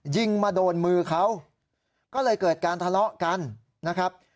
ยิงมาโดนมือเขาก็เลยเกิดการทะเลาะกันนะครับ